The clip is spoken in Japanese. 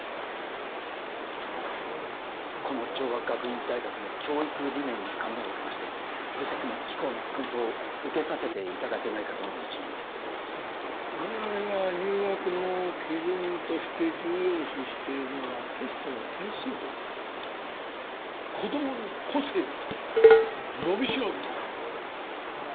この城和学院大学の教育理念に感銘を受けまして愚息も貴校の薫陶を受けさせていただけないかとの一念で我々が入学の基準として重要視しているのはテストの点数ではなく子供の個性と伸びしろです